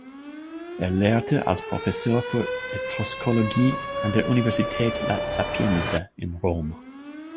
Er lehrte als Professor für Etruskologie an der Universität La Sapienza in Rom.